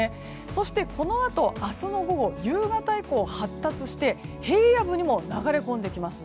そしてこのあと明日の午後夕方以降発達して平野部にも流れ込んできます。